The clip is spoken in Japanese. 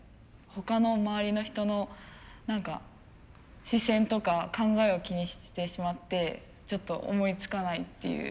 他の周りの人の何か視線とか考えを気にしてしまってちょっと思いつかないっていう。